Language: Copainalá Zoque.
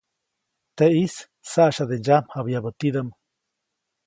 Teʼis saʼsyade ndsyamjabyabä tidaʼm.